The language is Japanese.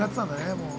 もう。